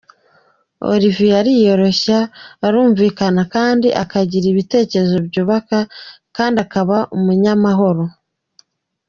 Olivier ariyoroshya, arumvikana kandi akagira ibitekerezo byubaka kandi akaba umunyamahoro.